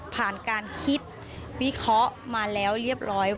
ผ่านการคิดวิเคราะห์มาแล้วเรียบร้อย